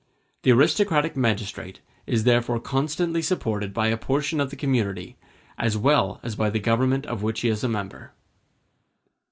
The aristocratic magistrate is therefore constantly supported by a portion of the community, as well as by the Government of which he is a member.